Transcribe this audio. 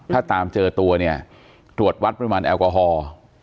ถ้าตามเจอตัวเนี่ยตรวจวัดปริมาณแอลกอฮอล์